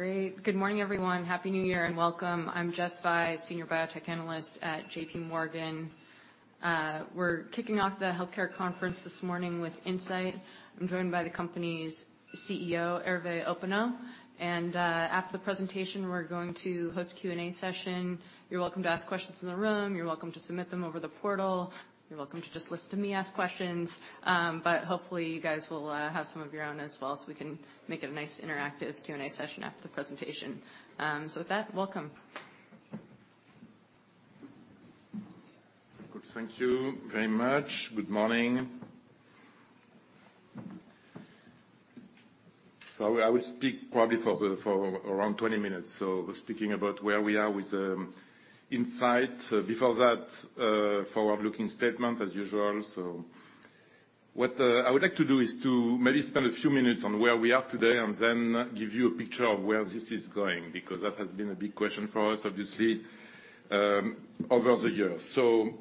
Great. Good morning, everyone. Happy New Year, and welcome. I'm Jessica Fye, Senior Biotech Analyst at JPMorgan. We're kicking off the healthcare conference this morning with Incyte. I'm joined by the company's CEO, Hervé Hoppenot, and after the presentation, we're going to host a Q&A session. You're welcome to ask questions in the room. You're welcome to submit them over the portal. You're welcome to just listen to me ask questions. But hopefully, you guys will have some of your own as well, so we can make it a nice interactive Q&A session after the presentation. So with that, welcome. Good. Thank you very much. Good morning. So I will speak probably for around 20 minutes, speaking about where we are with Incyte. Before that, forward-looking statement, as usual. So what I would like to do is to maybe spend a few minutes on where we are today, and then give you a picture of where this is going, because that has been a big question for us, obviously, over the years. So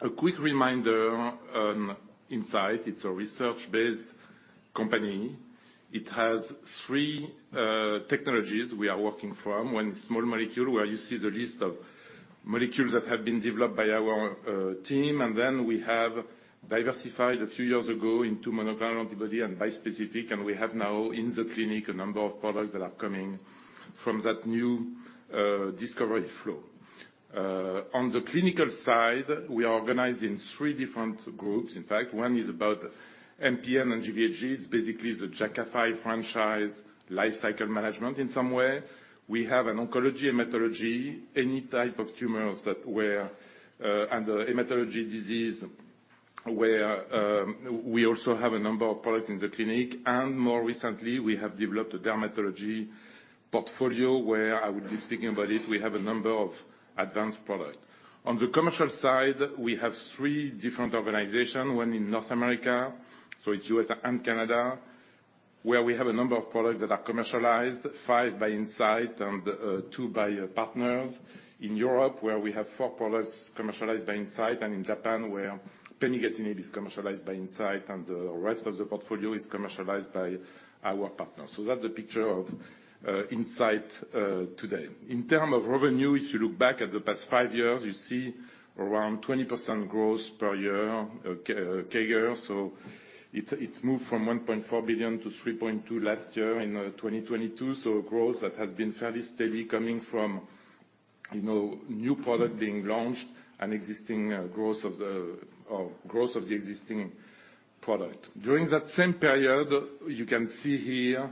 a quick reminder on Incyte. It's a research-based company. It has three technologies we are working from. One is small molecule, where you see the list of molecules that have been developed by our team, and then we have diversified a few years ago into monoclonal antibody and bispecific, and we have now, in the clinic, a number of products that are coming from that new discovery flow. On the clinical side, we are organized in three different groups. In fact, one is about MPN and GVHD. It's basically the Jakafi franchise life cycle management in some way. We have an oncology, hematology, any type of tumors that where, and the hematology disease, where we also have a number of products in the clinic, and more recently, we have developed a dermatology portfolio where I will be speaking about it. We have a number of advanced product. On the commercial side, we have three different organizations, one in North America, so it's US and Canada, where we have a number of products that are commercialized, five by Incyte and two by partners. In Europe, where we have four products commercialized by Incyte, and in Japan, where Pemazyre is commercialized by Incyte, and the rest of the portfolio is commercialized by our partners. So that's the picture of Incyte today. In terms of revenue, if you look back at the past five years, you see around 20% growth per year, CAGR, so it's moved from $1.4 billion to $3.2 billion last year in 2022. So growth that has been fairly steady coming from, you know, new product being launched and existing growth of the... or growth of the existing product. During that same period, you can see here,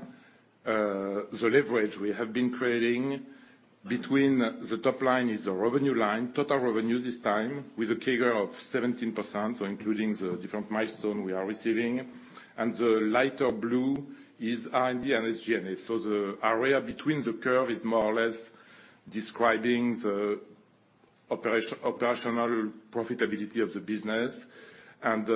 the leverage we have been creating between the top line is the revenue line, total revenue, this time with a CAGR of 17%, so including the different milestone we are receiving, and the lighter blue is R&D and SG&A. So the area between the curve is more or less describing the operational profitability of the business, and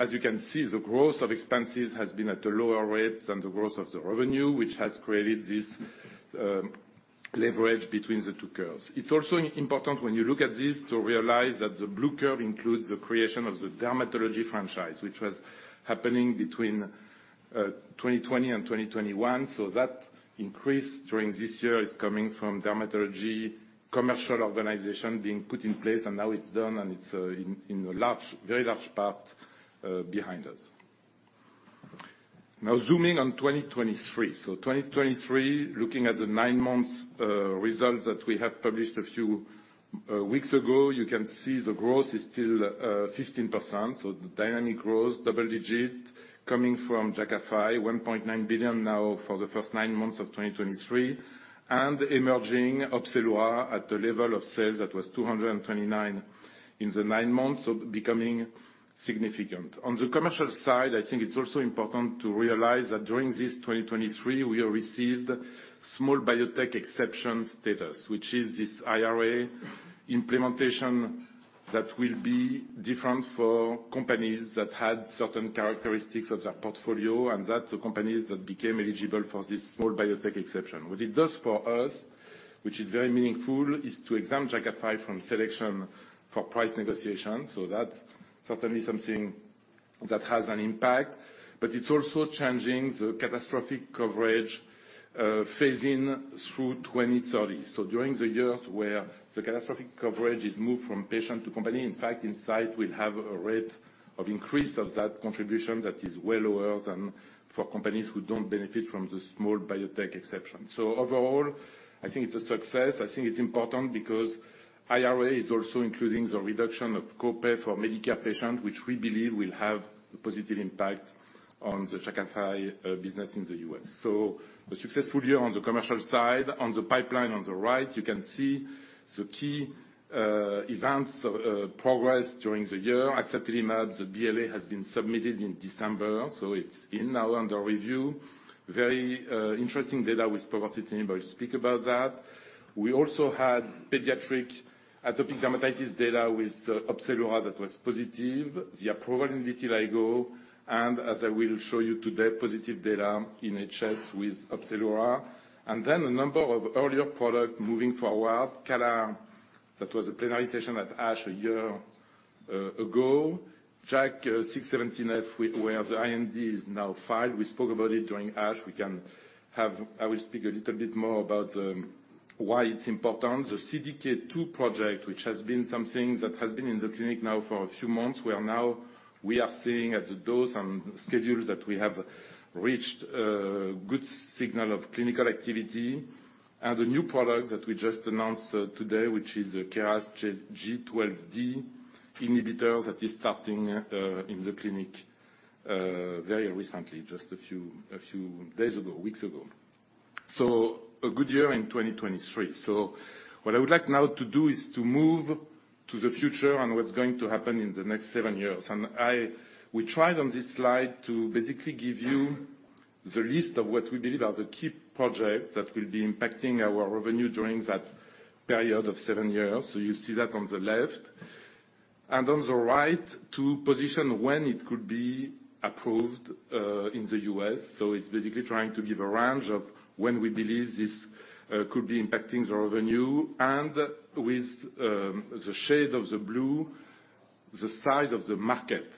as you can see, the growth of expenses has been at a lower rate than the growth of the revenue, which has created this leverage between the two curves. It's also important, when you look at this, to realize that the blue curve includes the creation of the dermatology franchise, which was happening between 2020 and 2021. So that increase during this year is coming from dermatology commercial organization being put in place, and now it's done, and it's in a large, very large part behind us. Now, zooming on 2023. So 2023, looking at the nine months results that we have published a few weeks ago, you can see the growth is still 15%, so the dynamic growth, double digit, coming from Jakafi, $1.9 billion now for the first nine months of 2023, and emerging Opzelura at the level of sales that was $229 million in the nine months, so becoming significant. On the commercial side, I think it's also important to realize that during this 2023, we have received small biotech exception status, which is this IRA implementation that will be different for companies that had certain characteristics of their portfolio, and that's the companies that became eligible for this small biotech exception. What it does for us, which is very meaningful, is to exempt Jakafi from selection for price negotiation, so that's certainly something that has an impact, but it's also changing the catastrophic coverage, phasing through 2030. So during the years where the catastrophic coverage is moved from patient to company, in fact, Incyte will have a rate of increase of that contribution that is well lower than for companies who don't benefit from the small biotech exception. So overall, I think it's a success. I think it's important because IRA is also including the reduction of copay for Medicare patients, which we believe will have a positive impact on the Jakafi business in the US. So a successful year on the commercial side. On the pipeline, on the right, you can see the key events progress during the year. Axatilimab, the BLA, has been submitted in December, so it's in now under review. Very interesting data with povorcitinib, but I will speak about that. We also had pediatric atopic dermatitis data with Opzelura that was positive, the approval in vitiligo, and as I will show you today, positive data in HS with Opzelura, and then a number of earlier product moving forward. mCALR, that was a plenary session at ASH a year ago. JAK2 V617F, where the IND is now filed. We spoke about it during ASH. I will speak a little bit more about why it's important. The CDK2 project, which has been something that has been in the clinic now for a few months, where now we are seeing at the dose and schedules that we have reached a good signal of clinical activity. And the new product that we just announced today, which is a KRAS G12D inhibitor that is starting in the clinic very recently, just a few days ago, weeks ago. So a good year in 2023. So what I would like now to do is to move to the future and what's going to happen in the next seven years. We tried on this slide to basically give you the list of what we believe are the key projects that will be impacting our revenue during that period of seven years. You see that on the left, and on the right, to position when it could be approved in the US. It's basically trying to give a range of when we believe this could be impacting the revenue, and with the shade of the blue, the size of the market,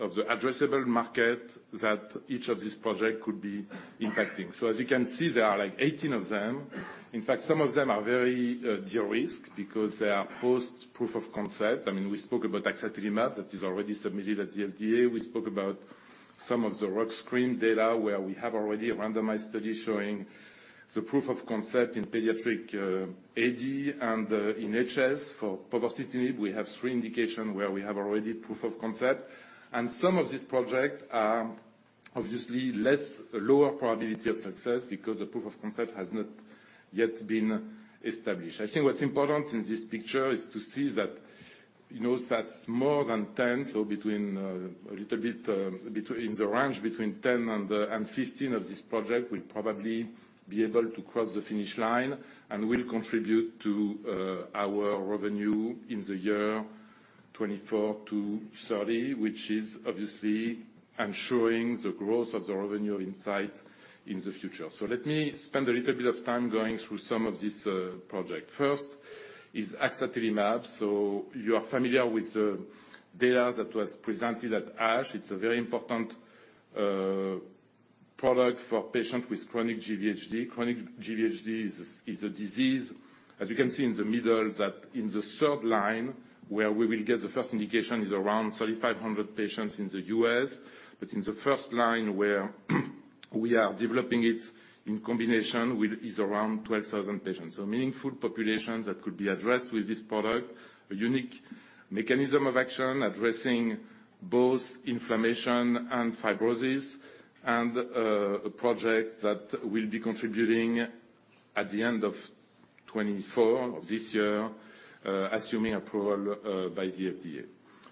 of the addressable market, that each of these project could be impacting. As you can see, there are, like, 18 of them. In fact, some of them are very de-risk because they are post-proof of concept. I mean, we spoke about axatilimab, that is already submitted at the FDA. We spoke about some of the rux cream data, where we have already a randomized study showing the proof of concept in pediatric AD and in HS. For povorcitinib, we have three indications where we have already proof of concept. Some of these projects are obviously lower probability of success because the proof of concept has not yet been established. I think what's important in this picture is to see that, you know, that's more than 10, so between 10 and 15 of these projects will probably be able to cross the finish line and will contribute to our revenue in the year 2024 to 2030, which is obviously ensuring the growth of the revenue Incyte in the future. So let me spend a little bit of time going through some of this project. First is axatilimab. So you are familiar with the data that was presented at ASH. It's a very important product for patient with chronic GVHD. Chronic GVHD is a disease, as you can see in the middle, that in the third line, where we will get the first indication, is around 3,500 patients in the US. But in the first line where we are developing it, in combination with is around 12,000 patients. So meaningful population that could be addressed with this product, a unique mechanism of action, addressing both inflammation and fibrosis, and a project that will be contributing at the end of 2024, of this year, assuming approval by the FDA.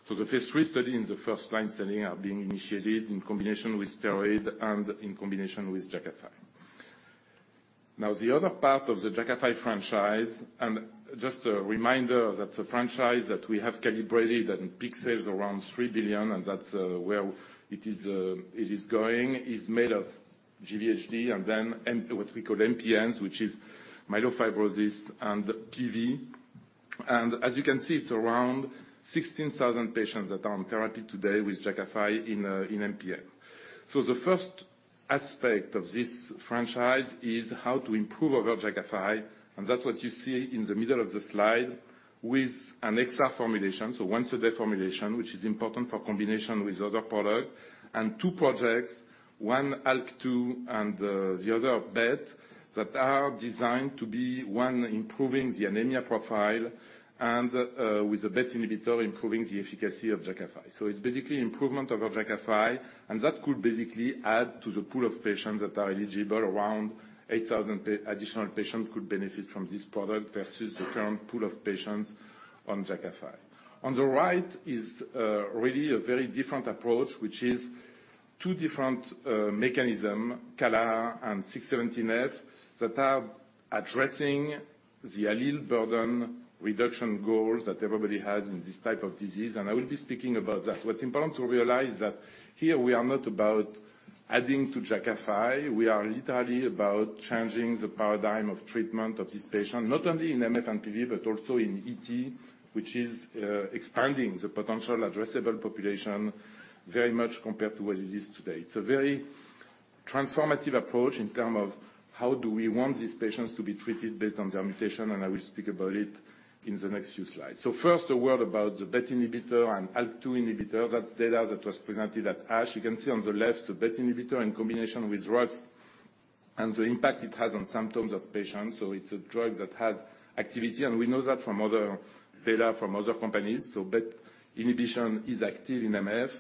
So the phase three study in the first line setting are being initiated in combination with steroid and in combination with Jakafi. Now, the other part of the Jakafi franchise, and just a reminder that the franchise that we have calibrated and peak sales around $3 billion, and that's where it is, it is going, is made of GVHD, and then what we call MPNs, which is myelofibrosis and PV. And as you can see, it's around 16,000 patients that are on therapy today with Jakafi in MPN. So the first aspect of this franchise is how to improve our Jakafi, and that's what you see in the middle of the slide with an extra formulation. So once a day formulation, which is important for combination with other product, and two projects, one ALK2 and the other BET, that are designed to be one improving the anemia profile, and with the BET inhibitor, improving the efficacy of Jakafi. So it's basically improvement of our Jakafi, and that could basically add to the pool of patients that are eligible. Around 8,000 additional patients could benefit from this product versus the current pool of patients on Jakafi. On the right is really a very different approach, which is two different mechanisms, CALR and V617F, that are addressing the allele burden reduction goals that everybody has in this type of disease, and I will be speaking about that. What's important to realize that here we are not about adding to Jakafi. We are literally about changing the paradigm of treatment of this patient, not only in MF and PV, but also in ET, which is expanding the potential addressable population very much compared to what it is today. It's a very transformative approach in terms of how do we want these patients to be treated based on their mutation, and I will speak about it in the next few slides. So first, a word about the BET inhibitor and ALK2 inhibitor. That's data that was presented at ASH. You can see on the left, the BET inhibitor in combination with rux and the impact it has on symptoms of patients. So it's a drug that has activity, and we know that from other data from other companies. So BET inhibition is active in MF,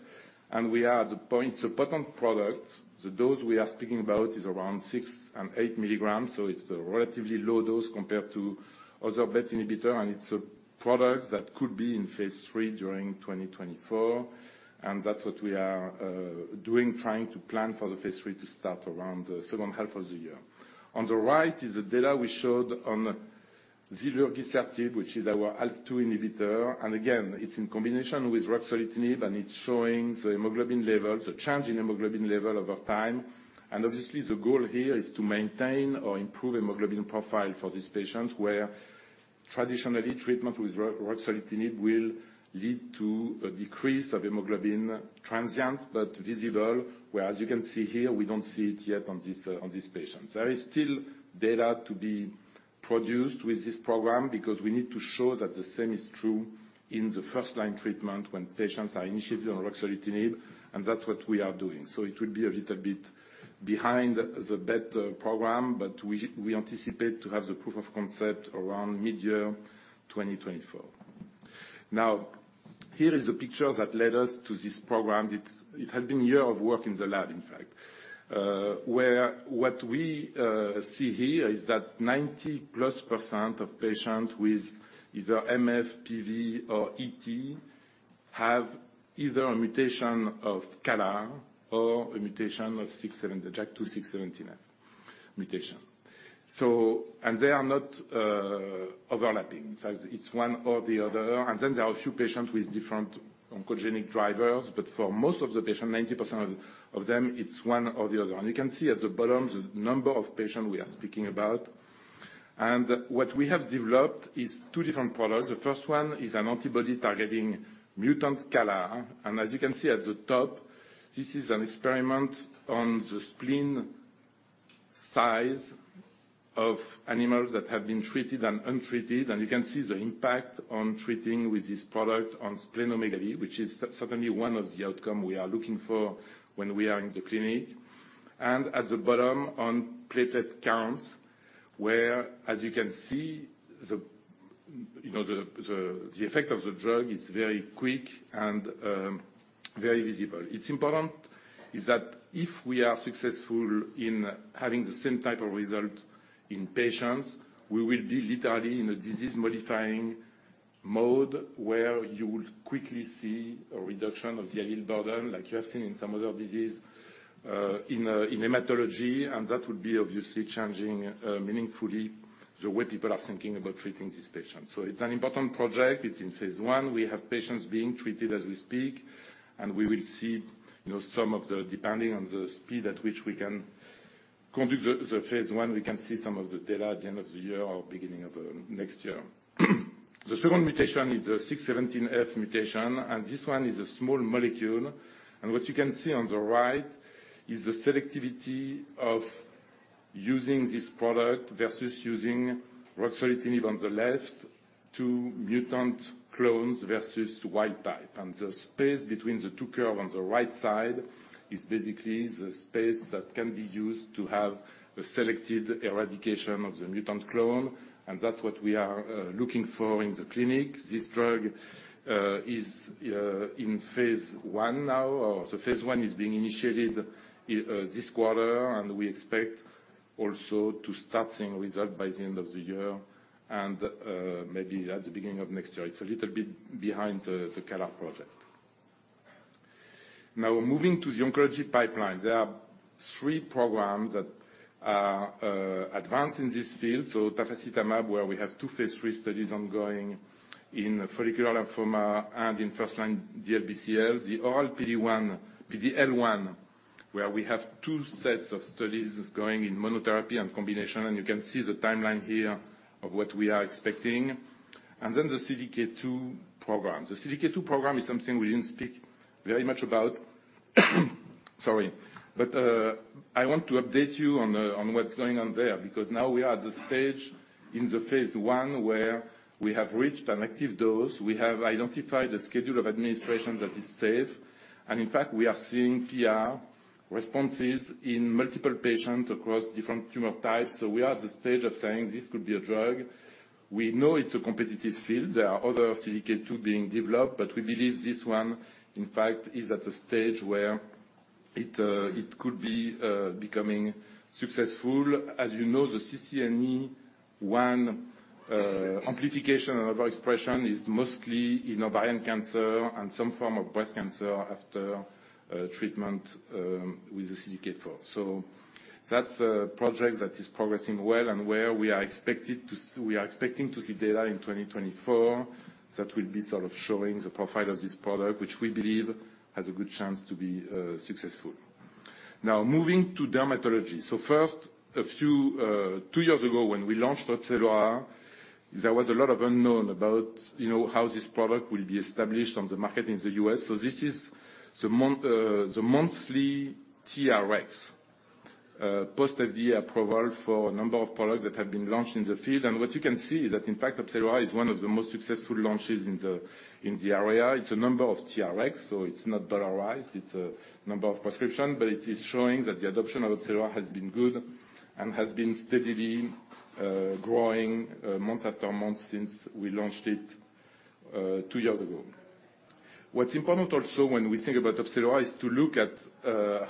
and we are at the point... It's a potent product. The dose we are speaking about is around 6 and 8 milligrams, so it's a relatively low dose compared to other BET inhibitor, and it's a product that could be in phase 3 during 2024. That's what we are doing, trying to plan for the phase 3 to start around the second half of the year. On the right is the data we showed on zilurgisertib, which is our ALK2 inhibitor, and again, it's in combination with ruxolitinib, and it's showing the hemoglobin level, the change in hemoglobin level over time. And obviously, the goal here is to maintain or improve hemoglobin profile for these patients, where-... Traditionally, treatment with ruxolitinib will lead to a decrease of hemoglobin, transient but visible, whereas you can see here, we don't see it yet on this, on this patient. There is still data to be produced with this program because we need to show that the same is true in the first-line treatment when patients are initiated on ruxolitinib, and that's what we are doing. So it will be a little bit behind the BET program, but we, we anticipate to have the proof of concept around midyear 2024. Now, here is a picture that led us to this program. It's, it has been a year of work in the lab, in fact, where what we see here is that 90%+ of patients with either MF, PV, or ET have either a mutation of CALR or a mutation of 617, JAK2 V617F mutation. So, and they are not overlapping. In fact, it's one or the other, and then there are a few patients with different oncogenic drivers, but for most of the patient, 90% of them, it's one or the other one. You can see at the bottom the number of patient we are speaking about. And what we have developed is two different products. The first one is an antibody targeting mutant CALR, and as you can see at the top, this is an experiment on the spleen size of animals that have been treated and untreated, and you can see the impact on treating with this product on splenomegaly, which is certainly one of the outcome we are looking for when we are in the clinic. And at the bottom, on platelet counts, where, as you can see, you know, the effect of the drug is very quick and very visible. It's important that if we are successful in having the same type of result in patients, we will be literally in a disease-modifying mode, where you will quickly see a reduction of the spleen burden, like you have seen in some other disease in hematology, and that would be obviously changing meaningfully the way people are thinking about treating these patients. So it's an important project. It's in phase 1. We have patients being treated as we speak, and we will see, you know, some of the... Depending on the speed at which we can conduct the phase 1, we can see some of the data at the end of the year or beginning of next year. The second mutation is a V617F mutation, and this one is a small molecule. What you can see on the right is the selectivity of using this product versus using ruxolitinib on the left to mutant clones versus wild type. And the space between the two curves on the right side is basically the space that can be used to have a selected eradication of the mutant clone, and that's what we are looking for in the clinic. This drug is in phase one now, or the phase one is being initiated this quarter, and we expect also to start seeing results by the end of the year and maybe at the beginning of next year. It's a little bit behind the CALR project. Now, moving to the oncology pipeline, there are three programs that are advanced in this field. Tafasitamab, where we have two phase 3 studies ongoing in follicular lymphoma and in first-line DLBCL, the all PD-1, PD-L1, where we have two sets of studies going in monotherapy and combination, and you can see the timeline here of what we are expecting. Then the CDK2 program. The CDK2 program is something we didn't speak very much about. Sorry, but I want to update you on the, on what's going on there because now we are at the stage in the phase 1, where we have reached an active dose. We have identified a schedule of administration that is safe, and in fact, we are seeing PR responses in multiple patients across different tumor types. So we are at the stage of saying, "This could be a drug." We know it's a competitive field. There are other CDK2 being developed, but we believe this one, in fact, is at a stage where it could be becoming successful. As you know, the CCNE1 amplification and overexpression is mostly in ovarian cancer and some form of breast cancer after treatment with the CDK4. So that's a project that is progressing well and where we are expecting to see data in 2024. That will be sort of showing the profile of this product, which we believe has a good chance to be successful. Now, moving to dermatology. So first, two years ago, when we launched Opzelura, there was a lot of unknown about, you know, how this product will be established on the market in the US. So this is the monthly TRx, post-FDA approval for a number of products that have been launched in the field. What you can see is that, in fact, Opzelura is one of the most successful launches in the area. It's a number of TRx, so it's not dollarized. It's a number of prescriptions, but it is showing that the adoption of Opzelura has been good and has been steadily growing month after month since we launched it two years ago. What's important also when we think about Opzelura is to look at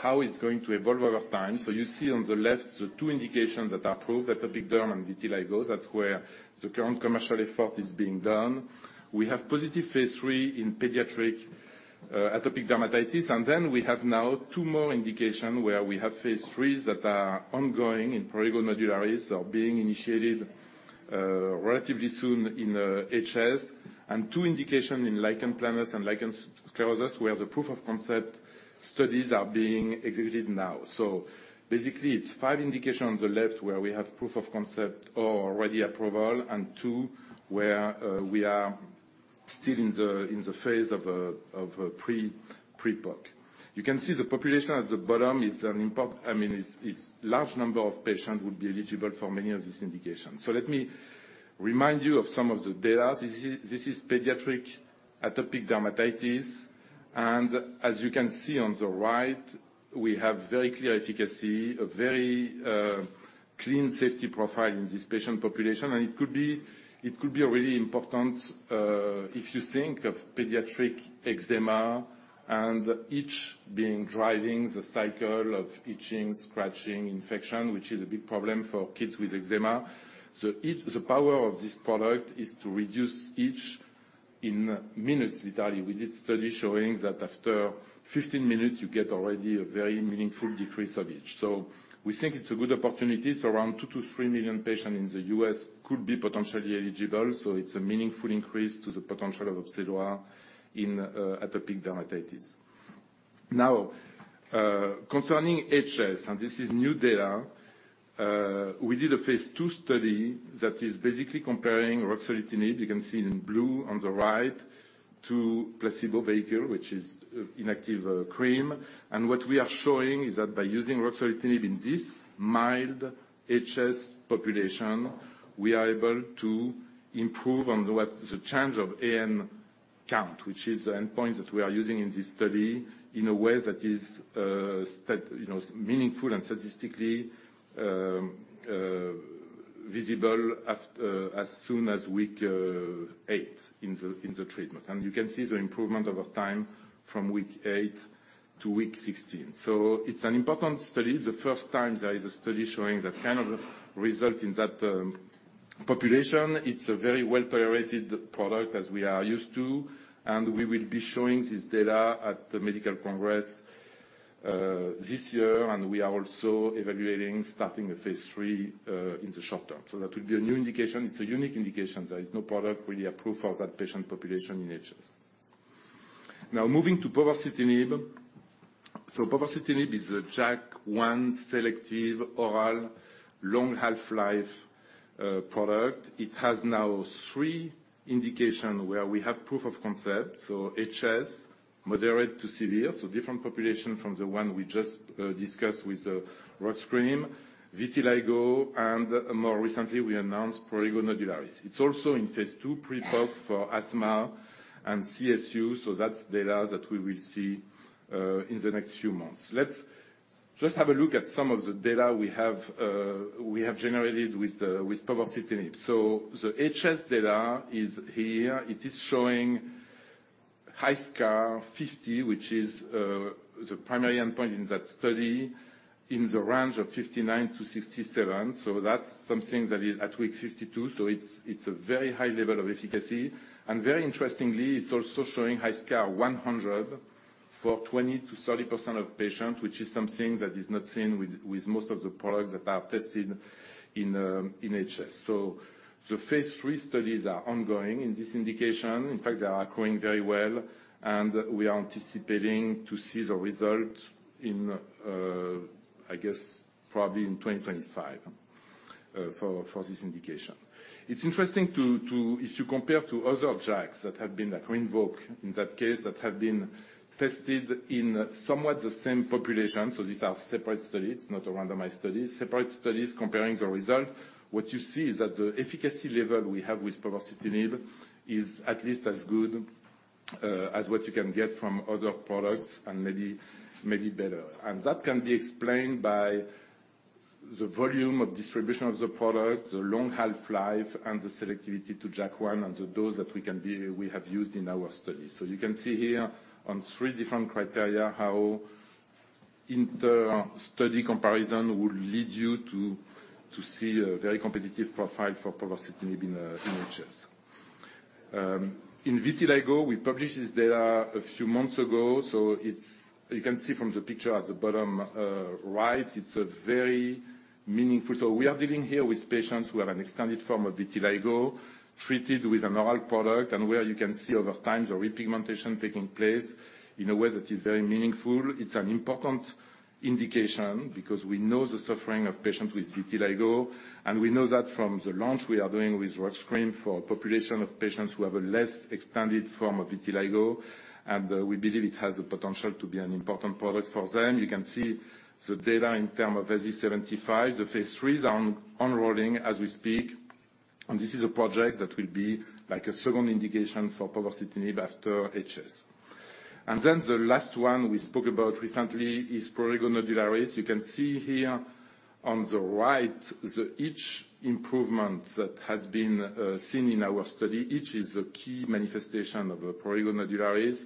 how it's going to evolve over time. You see on the left the two indications that are approved, atopic derm and vitiligo. That's where the current commercial effort is being done. We have positive phase 3 in pediatric atopic dermatitis, and then we have now two more indication where we have phase 3s that are ongoing in prurigo nodularis, being initiated relatively soon in HS, and two indication in lichen planus and lichen sclerosus, where the proof of concept studies are being executed now. So basically, it's five indication on the left, where we have proof of concept or already approval, and two, where we are still in the phase of a pre-POC. You can see the population at the bottom is—I mean, is large number of patients would be eligible for many of these indications. So let me remind you of some of the data. This is, this is pediatric atopic dermatitis, and as you can see on the right, we have very clear efficacy, a very clean safety profile in this patient population, and it could be, it could be a really important if you think of pediatric eczema and itch being driving the cycle of itching, scratching, infection, which is a big problem for kids with eczema. So the power of this product is to reduce itch in minutes, literally. We did study showing that after 15 minutes, you get already a very meaningful decrease of itch. So we think it's a good opportunity. It's around 2-3 million patients in the U.S. could be potentially eligible, so it's a meaningful increase to the potential of Opzelura in atopic dermatitis. Now, concerning HS, and this is new data, we did a phase 2 study that is basically comparing ruxolitinib, you can see it in blue on the right, to placebo vehicle, which is inactive, cream. And what we are showing is that by using ruxolitinib in this mild HS population, we are able to improve on what the change of AN count, which is the endpoint that we are using in this study, in a way that is, you know, meaningful and statistically, visible as soon as week 8 in the, in the treatment. And you can see the improvement over time from week 8 to week 16. So it's an important study. The first time there is a study showing that kind of result in that population. It's a very well-tolerated product, as we are used to, and we will be showing this data at the medical congress this year, and we are also evaluating starting a phase 3 in the short term. So that will be a new indication. It's a unique indication. There is no product really approved for that patient population in HS. Now, moving to povorcitinib. So povorcitinib is a JAK1 selective oral, long half-life product. It has now 3 indications where we have proof of concept. So HS, moderate to severe, so different population from the one we just discussed with the rux cream, vitiligo, and more recently, we announced prurigo nodularis. It's also in phase 2 pre-POC for asthma and CSU, so that's data that we will see in the next few months. Let's just have a look at some of the data we have, we have generated with povorcitinib. So the HS data is here. It is showing HiSCR50, which is, the primary endpoint in that study, in the range of 59-67. So that's something that is at week 52, so it's, it's a very high level of efficacy. And very interestingly, it's also showing HiSCR100 for 20%-30% of patients, which is something that is not seen with, with most of the products that are tested in, in HS. So the phase 3 studies are ongoing in this indication. In fact, they are going very well, and we are anticipating to see the results in, I guess, probably in 2025, for, for this indication. It's interesting to if you compare to other JAKs that have been, like Rinvoq, in that case, that have been tested in somewhat the same population. So these are separate studies, not a randomized study. Separate studies comparing the results, what you see is that the efficacy level we have with povorcitinib is at least as good, as what you can get from other products and maybe, maybe better. And that can be explained by the volume of distribution of the product, the long half-life, and the selectivity to JAK1, and the dose that we have used in our study. So you can see here on three different criteria, how inter study comparison would lead you to see a very competitive profile for povorcitinib in HS. In vitiligo, we published this data a few months ago, so it's... You can see from the picture at the bottom, right, it's very meaningful. So we are dealing here with patients who have an extended form of vitiligo, treated with an oral product, and where you can see over time, the repigmentation taking place in a way that is very meaningful. It's an important indication because we know the suffering of patients with vitiligo, and we know that from the launch we are doing with rux cream for a population of patients who have a less expanded form of vitiligo, and, we believe it has the potential to be an important product for them. You can see the data in terms of AZ75. The phase 3s are unrolling as we speak, and this is a project that will be like a second indication for povorcitinib after HS. And then the last one we spoke about recently is prurigo nodularis. You can see here on the right, the itch improvement that has been seen in our study. Itch is the key manifestation of a prurigo nodularis.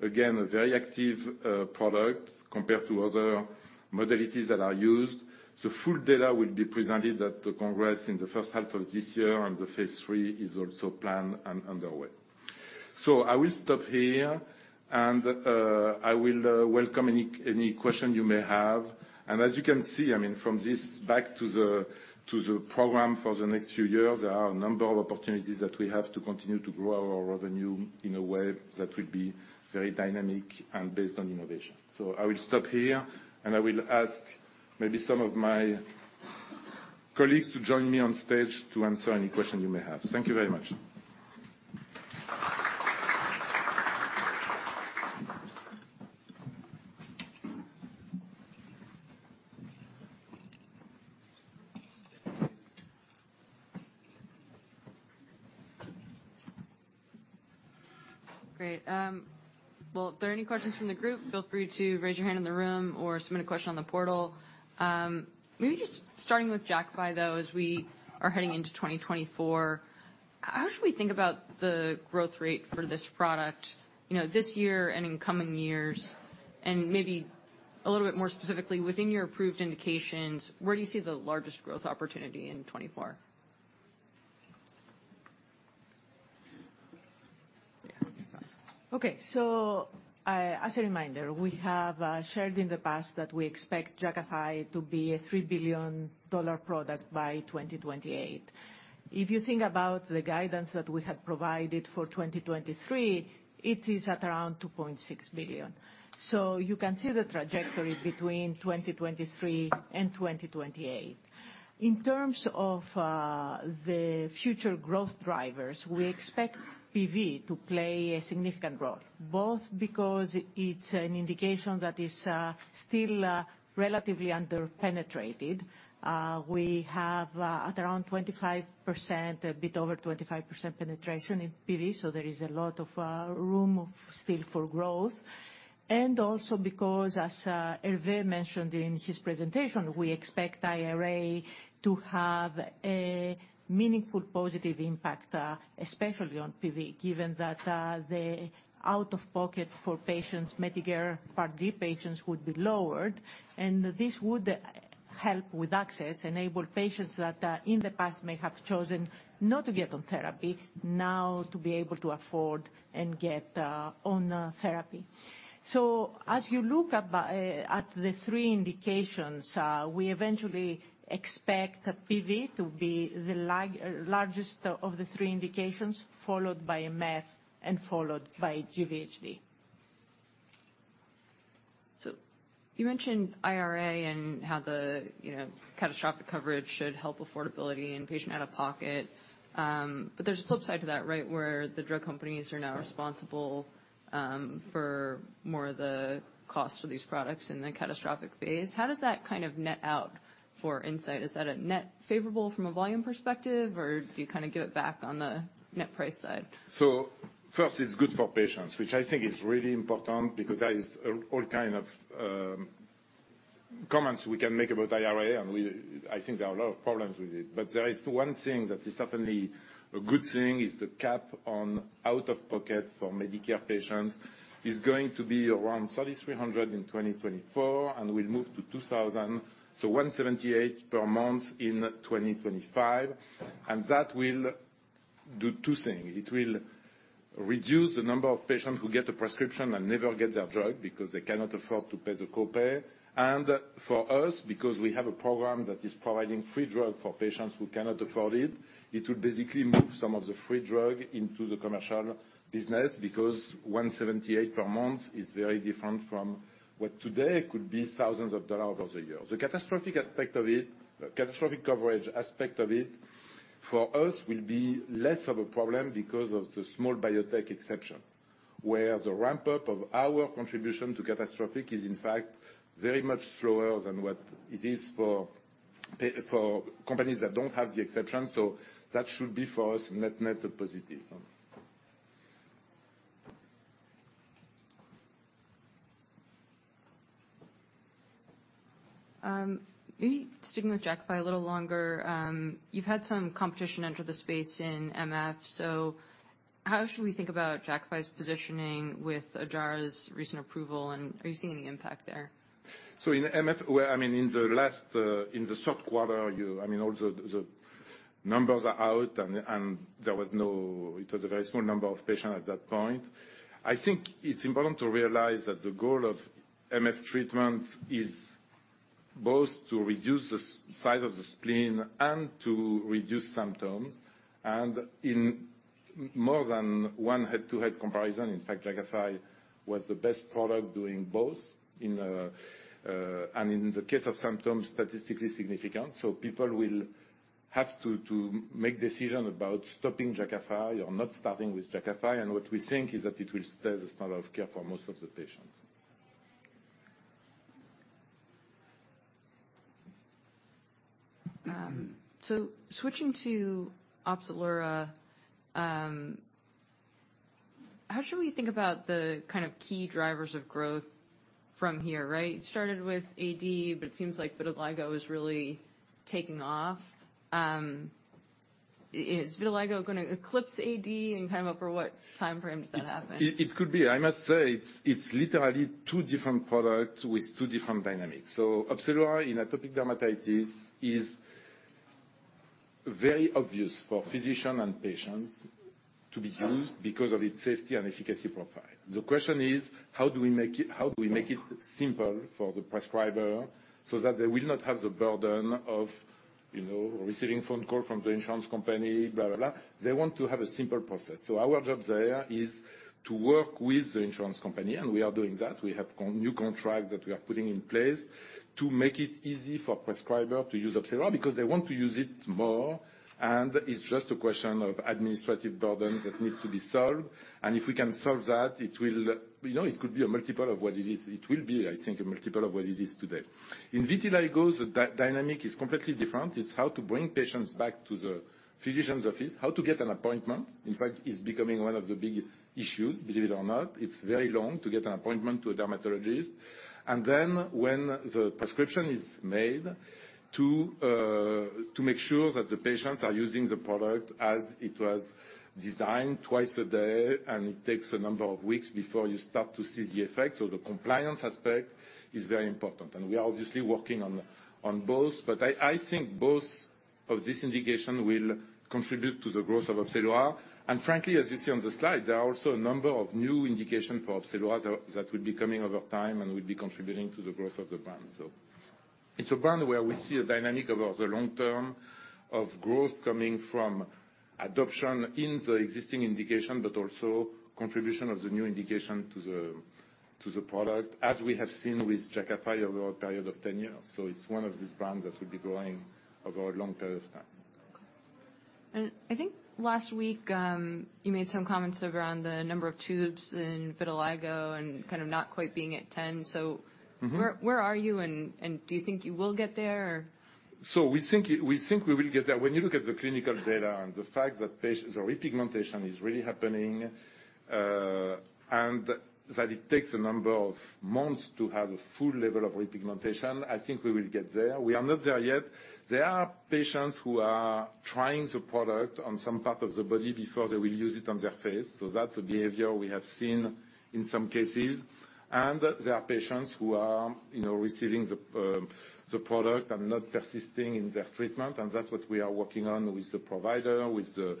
Again, a very active product compared to other modalities that are used. The full data will be presented at the congress in the first half of this year, and the phase 3 is also planned and underway. So I will stop here, and I will welcome any, any question you may have. And as you can see, I mean, from this back to the, to the program for the next few years, there are a number of opportunities that we have to continue to grow our revenue in a way that will be very dynamic and based on innovation. So I will stop here, and I will ask maybe some of my colleagues to join me on stage to answer any questions you may have. Thank you very much. Great. Well, if there are any questions from the group, feel free to raise your hand in the room or submit a question on the portal. Maybe just starting with Jakafi, though, as we are heading into 2024, how should we think about the growth rate for this product, you know, this year and in coming years, and maybe a little bit more specifically, within your approved indications, where do you see the largest growth opportunity in 2024? Okay. So, as a reminder, we have shared in the past that we expect Jakafi to be a $3 billion product by 2028. If you think about the guidance that we have provided for 2023, it is at around $2.6 billion. So you can see the trajectory between 2023 and 2028. In terms of the future growth drivers, we expect PV to play a significant role, both because it's an indication that is still relatively under-penetrated. We have at around 25%, a bit over 25% penetration in PV, so there is a lot of room still for growth, and also because, as Hervé mentioned in his presentation, we expect IRA to have a meaningful positive impact, especially on PV, given that the out-of-pocket for patients, Medicare Part D patients, would be lowered. And this would help with access, enable patients that in the past may have chosen not to get on therapy, now to be able to afford and get on therapy. So as you look at the three indications, we eventually expect PV to be the largest of the three indications, followed by MF, and followed by GVHD. So you mentioned IRA and how the, you know, catastrophic coverage should help affordability and patient out-of-pocket. But there's a flip side to that, right, where the drug companies are now responsible for more of the cost of these products in the catastrophic phase. How does that kind of net out for Incyte? Is that a net favorable from a volume perspective, or do you kind of give it back on the net price side? So first, it's good for patients, which I think is really important because there are all kinds of comments we can make about IRA, and I think there are a lot of problems with it. But there is one thing that is certainly a good thing, is the cap on out-of-pocket for Medicare patients is going to be around $3,300 in 2024 and will move to $2,000, so $178 per month in 2025. And that will do two things: It will reduce the number of patients who get a prescription and never get their drug because they cannot afford to pay the copay. For us, because we have a program that is providing free drug for patients who cannot afford it, it will basically move some of the free drug into the commercial business, because $178 per month is very different from what today could be thousands of dollars over the year. The catastrophic aspect of it, catastrophic coverage aspect of it, for us, will be less of a problem because of the Small Biotech Exception, where the ramp-up of our contribution to catastrophic is, in fact, very much slower than what it is for companies that don't have the exception. So that should be, for us, net, net a positive. Maybe sticking with Jakafi a little longer. You've had some competition enter the space in MF, so how should we think about Jakafi's positioning with Ojjaara's recent approval, and are you seeing any impact there? So in MF, where, I mean, in the last, in the Q3, you... I mean, all the, the numbers are out, and, and it was a very small number of patients at that point. I think it's important to realize that the goal of MF treatment is both to reduce the size of the spleen and to reduce symptoms, and in more than one head-to-head comparison, in fact, Jakafi was the best product doing both. In, and in the case of symptoms, statistically significant, so people will have to, to make decision about stopping Jakafi or not starting with Jakafi, and what we think is that it will stay the standard of care for most of the patients. So switching to Opzelura, how should we think about the kind of key drivers of growth from here, right? It started with AD, but it seems like vitiligo is really taking off. Is vitiligo going to eclipse AD, and kind of over what time frame does that happen? It could be. I must say, it's literally two different products with two different dynamics. So Opzelura in atopic dermatitis is very obvious for physician and patients to be used because of its safety and efficacy profile. The question is, how do we make it simple for the prescriber so that they will not have the burden of, you know, receiving phone call from the insurance company, blah, blah, blah? They want to have a simple process. So our job there is to work with the insurance company, and we are doing that. We have new contracts that we are putting in place to make it easy for prescriber to use Opzelura, because they want to use it more, and it's just a question of administrative burdens that need to be solved. If we can solve that, it will, you know, it could be a multiple of what it is. It will be, I think, a multiple of what it is today. In vitiligo, the dynamic is completely different. It's how to bring patients back to the physician's office, how to get an appointment, in fact, is becoming one of the big issues, believe it or not. It's very long to get an appointment to a dermatologist. And then when the prescription is made, to make sure that the patients are using the product as it was designed twice a day, and it takes a number of weeks before you start to see the effect. So the compliance aspect is very important, and we are obviously working on both. But I think both of this indication will contribute to the growth of Opzelura. And frankly, as you see on the slides, there are also a number of new indications for Opzelura that will be coming over time and will be contributing to the growth of the brand. So it's a brand where we see a dynamic over the long term of growth coming from adoption in the existing indication, but also contribution of the new indication to the product, as we have seen with Jakafi over a period of 10 years. So it's one of the brands that will be growing over a long period of time. I think last week, you made some comments around the number of tubes in vitiligo and kind of not quite being at 10. Mm-hmm. So where are you, and do you think you will get there or? So we think we will get there. When you look at the clinical data and the fact that patient, the repigmentation is really happening, and that it takes a number of months to have a full level of repigmentation, I think we will get there. We are not there yet. There are patients who are trying the product on some part of the body before they will use it on their face, so that's a behavior we have seen in some cases. And there are patients who are, you know, receiving the, the product and not persisting in their treatment, and that's what we are working on with the provider, with the, the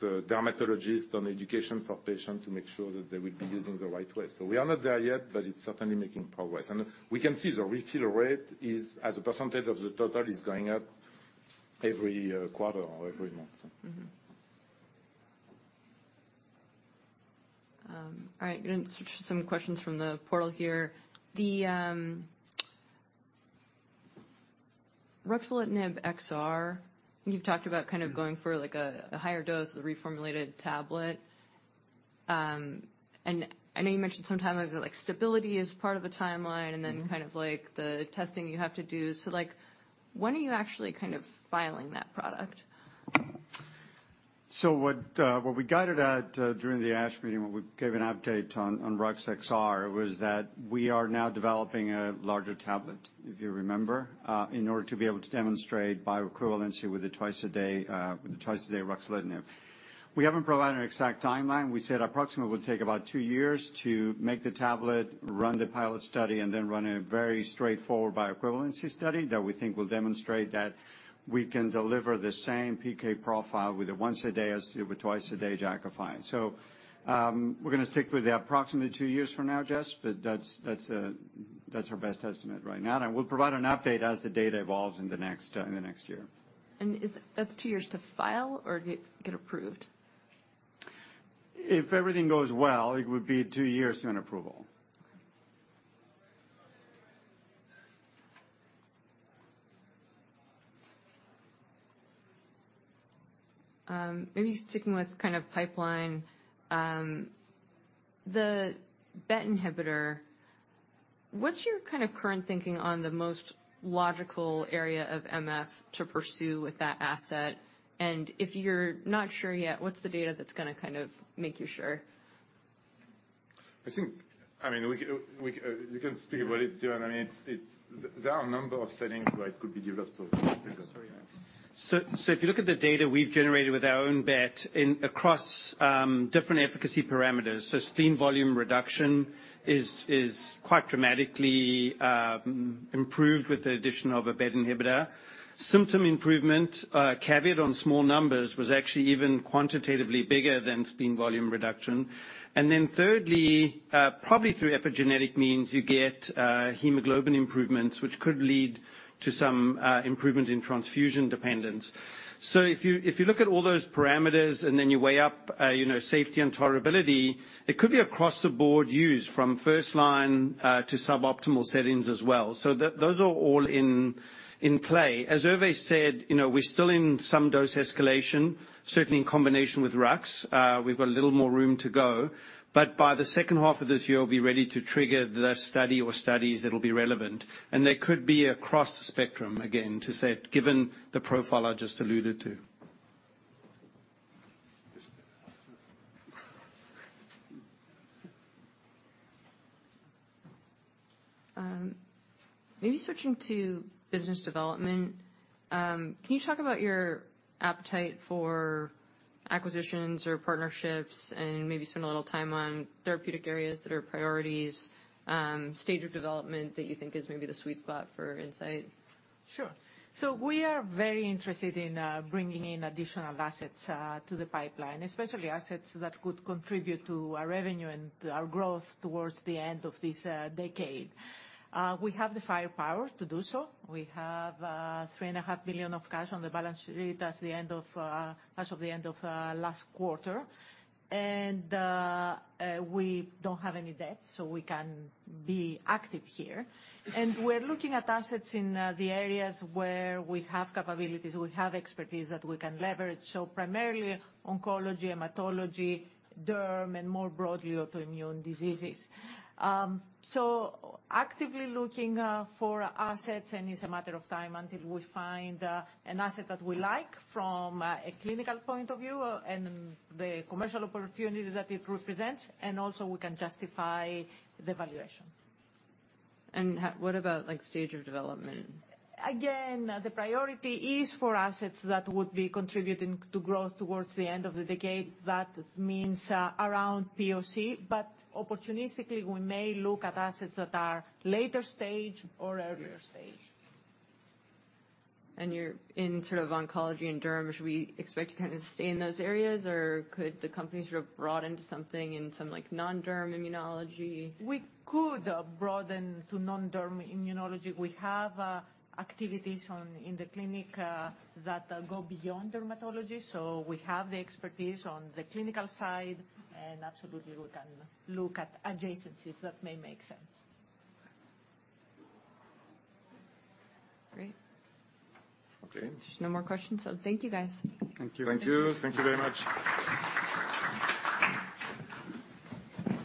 dermatologist on education for patients to make sure that they will be using the right way. So we are not there yet, but it's certainly making progress. We can see the refill rate is, as a percentage of the total, is going up every quarter or every month. Mm-hmm. All right, going to switch to some questions from the portal here. The ruxolitinib XR, you've talked about kind of going for like a higher dose, a reformulated tablet. I know you mentioned some timelines, that like stability is part of the timeline- Mm-hmm. And then kind of like the testing you have to do. So, like, when are you actually kind of filing that product? So what, what we guided at, during the ASH meeting, when we gave an update on, on Rux XR, was that we are now developing a larger tablet, if you remember, in order to be able to demonstrate bioequivalence with a twice-a-day, with a twice-a-day ruxolitinib. We haven't provided an exact timeline. We said approximately it would take about two years to make the tablet, run the pilot study, and then run a very straightforward bioequivalence study that we think will demonstrate that we can deliver the same PK profile with a once-a-day as with twice-a-day Jakafi. So, we're gonna stick with the approximately two years from now, Jess, but that's, that's, that's our best estimate right now. And we'll provide an update as the data evolves in the next, in the next year. Is it...? That's two years to file or get approved? If everything goes well, it would be two years to an approval. Maybe sticking with kind of pipeline, the BET inhibitor, what's your kind of current thinking on the most logical area of MF to pursue with that asset? And if you're not sure yet, what's the data that's gonna kind of make you sure? I think, I mean, we can, you can speak about it, Stuart. I mean, it's... There are a number of settings where it could be developed, so- Sorry. So if you look at the data we've generated with our own BET inhibitor across different efficacy parameters, so spleen volume reduction is quite dramatically improved with the addition of a BET inhibitor. Symptom improvement, caveat on small numbers, was actually even quantitatively bigger than spleen volume reduction. And then thirdly, probably through epigenetic means, you get hemoglobin improvements, which could lead to some improvement in transfusion dependence. So if you look at all those parameters, and then you weigh up, you know, safety and tolerability, it could be across the board use from first line to suboptimal settings as well. So those are all in play. As Hervé said, you know, we're still in some dose escalation, certainly in combination with Rux. We've got a little more room to go, but by the second half of this year, we'll be ready to trigger the study or studies that will be relevant, and they could be across the spectrum, again, to say, given the profile I just alluded to. Just... Maybe switching to business development, can you talk about your appetite for acquisitions or partnerships, and maybe spend a little time on therapeutic areas that are priorities, stage of development that you think is maybe the sweet spot for Incyte? Sure. So we are very interested in bringing in additional assets to the pipeline, especially assets that could contribute to our revenue and our growth towards the end of this decade. We have the firepower to do so. We have $3.5 billion of cash on the balance sheet as of the end of last quarter. And we don't have any debt, so we can be active here. And we're looking at assets in the areas where we have capabilities, we have expertise that we can leverage, so primarily oncology, hematology, derm, and more broadly, autoimmune diseases. So actively looking for assets, and it's a matter of time until we find an asset that we like from a clinical point of view, and the commercial opportunity that it represents, and also we can justify the valuation. What about, like, stage of development? Again, the priority is for assets that would be contributing to growth towards the end of the decade. That means, around POC, but opportunistically, we may look at assets that are later stage or earlier stage. You're in sort of oncology and derm. Should we expect to kind of stay in those areas, or could the company sort of broaden to something in some, like, non-derm immunology? We could broaden to non-derm immunology. We have activities in the clinic that go beyond dermatology, so we have the expertise on the clinical side, and absolutely, we can look at adjacencies that may make sense. Great. Okay. There's no more questions, so thank you, guys. Thank you. Thank you. Thank you very much.